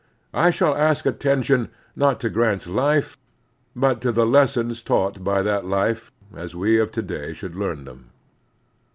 I shall ask attention, not to Grant's life, but to the lessons taught by that life as we of to day should leam them.